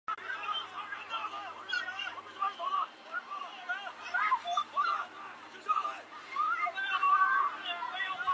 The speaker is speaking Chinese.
中国大陆女性电影导演和编剧。